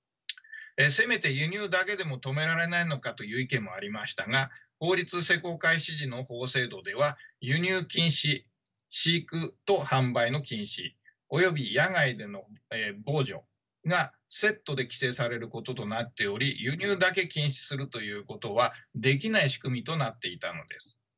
せめて輸入だけでも止められないのかという意見もありましたが法律施行開始時の法制度では輸入禁止飼育と販売の禁止および野外での防除がセットで規制されることとなっており輸入だけ禁止にするということはできない仕組みとなっていたのです。